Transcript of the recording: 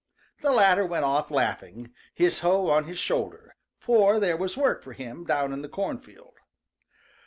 The latter went off laughing, his hoe on his shoulder, for there was work for him down in the cornfield.